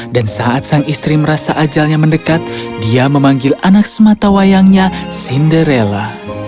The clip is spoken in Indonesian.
dan saat sang istri merasa ajalnya mendekat dia memanggil anak sematawayangnya cinderella